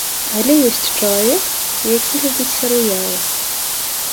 Але ёсць чалавек, які любіць серыялы.